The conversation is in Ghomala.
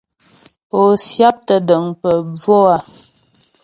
Pó syáptə́ dəŋ pə bvò a ?